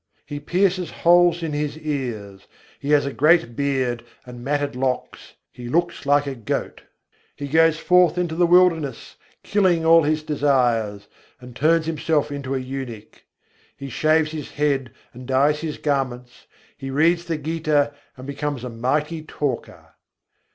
He pierces holes in his ears, he has a great beard and matted locks, he looks like a goat: He goes forth into the wilderness, killing all his desires, and turns himself into an eunuch: He shaves his head and dyes his garments; he reads the Gîtâ and becomes a mighty talker.